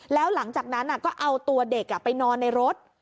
แล้วหลังจากนั้นก็เอาตัวเด็กไปนอนในรถ